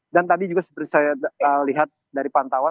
dan tadi juga seperti saya lihat dari pantauan